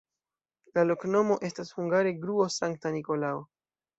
La loknomo estas hungare: gruo-Sankta Nikolao.